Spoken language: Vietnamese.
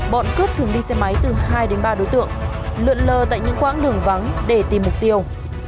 bọn cướp thường đi xe máy từ hai đến ba đối tượng lượn lơ tại những quãng đường vắng để tìm mục tiêu